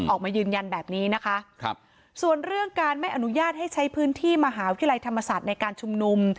ออกมายืนยันแบบนี้นะคะครับส่วนเรื่องการไม่อนุญาตให้ใช้พื้นที่มหาวิทยาลัยธรรมศาสตร์ในการชุมนุม